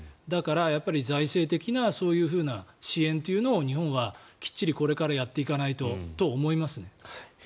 だから、財政的なそういう支援というのを日本はきっちりこれからやっていかないとと思いますね。